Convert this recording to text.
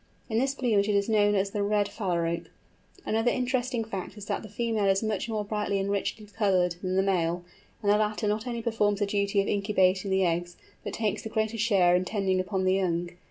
In this plumage it is known as the Red Phalarope. Another interesting fact is that the female is much more brightly and richly coloured than the male, and the latter not only performs the duty of incubating the eggs, but takes the greater share in tending upon the young!